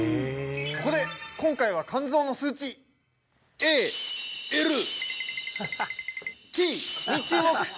そこで今回は肝臓の数値に注目！